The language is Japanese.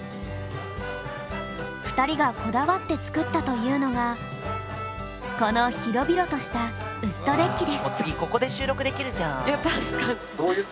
２人がこだわって作ったというのがこの広々としたウッドデッキです。